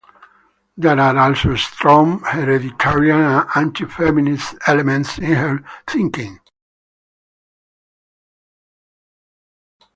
There are also strong hereditarian and anti-feminist elements in her thinking.